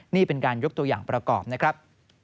นี่เป็นการยกตัวอย่างประกอบนะครับ